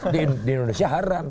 di indonesia haram